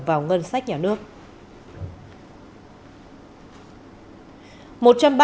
vào ngân sách nhà nước